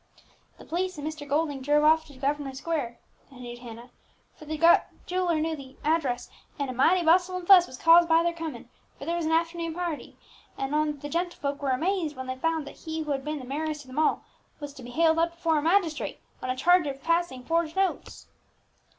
"The p'lice and Mr. Golding drove off to Grosvenor Square," continued Hannah, "for the jeweller knew the address; and a mighty bustle and fuss was caused by their coming, for there was an afternoon party, and the gentlefolk were amazed when they found that he who had been the merriest of them all was to be haled up afore a magistrate, on a charge of passing forged notes."